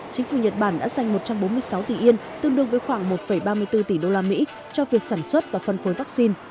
chính phủ nhật bản đã dành một trăm bốn mươi sáu tỷ yên tương đương với khoảng một ba mươi bốn tỷ đô la mỹ cho việc sản xuất và phân phối vaccine